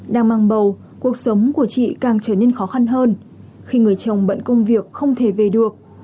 đang mang bầu cuộc sống của chị càng trở nên khó khăn hơn khi người chồng bận công việc không thể về được